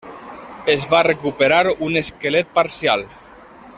Es va recuperar un esquelet parcial.